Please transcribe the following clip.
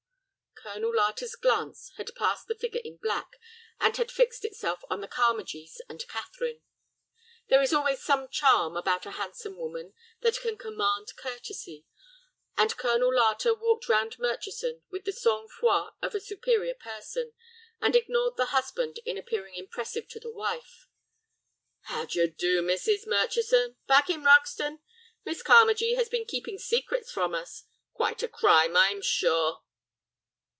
Colonel Larter's glance had passed the figure in black, and had fixed itself on the Carmagees and Catherine. There is always some charm about a handsome woman that can command courtesy, and Colonel Larter walked round Murchison with the sang froid of a superior person, and ignored the husband in appearing impressive to the wife. "How d'you do, Mrs. Murchison? Back in Roxton? Miss Carmagee has been keeping secrets from us. Quite a crime, I'm sure."